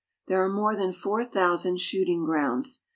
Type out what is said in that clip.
There are more than four thousand shooting grounds.